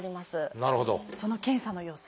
その検査の様子